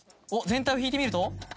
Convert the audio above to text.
全体を引いてみると？